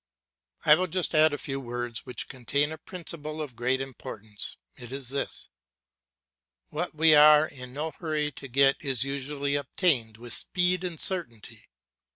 I will just add a few words which contain a principle of great importance. It is this What we are in no hurry to get is usually obtained with speed and certainty.